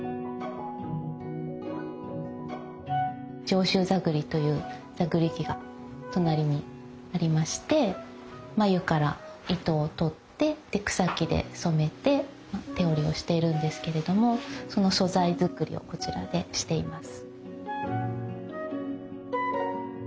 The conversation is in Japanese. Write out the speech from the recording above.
上州座繰りという座繰り器が隣にありまして繭から糸をとってで草木で染めて手織りをしているんですけれどもその素材作りをこちらでしています。